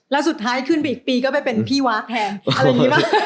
แล้วสุดท้ายขึ้นไปอีกปีก็ไปเป็นพี่ว้าแทนอะไรอย่างนี้ป่ะ